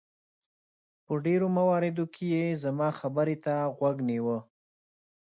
په ډېرو مواردو کې یې زما خبرې ته غوږ نیوه.